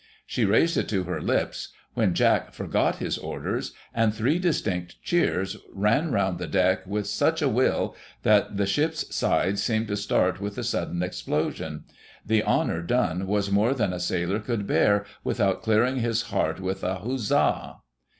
She raised it to her lips — ^when Jack forgot his orders, and three distinct cheers ran round the deck, with such ' a will,' that the ship's sides seemed to start with the sudden explosion ; the honour done was more than a sailor could bear without clearing his heart with an huzzah.'"